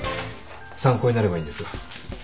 参考になればいいんですが。